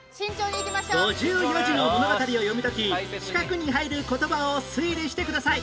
５４字の物語を読み解き四角に入る言葉を推理してください